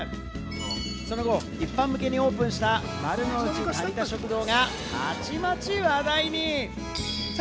その後、一般向けにオープンした丸の内タニタ食堂がたちまち話題に！